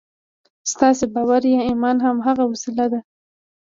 ستاسې باور يا ايمان هماغه وسيله ده.